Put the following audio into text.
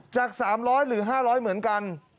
จาก๓๐๐บาทหรือ๕๐๐บาทเหมือนกัน